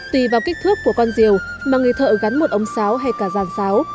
tùy vào kích thước của con rìu mà người thợ gắn một ống sáo hay cả giàn sáo